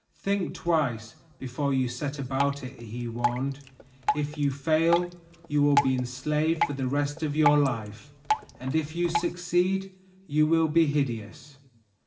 Think twice before you set about it," he warned. "If you fail, you will be enslaved for the rest of your life; and if you succeed, you will be hideous.